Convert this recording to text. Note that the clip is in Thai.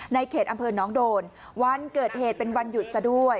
เขตอำเภอน้องโดนวันเกิดเหตุเป็นวันหยุดซะด้วย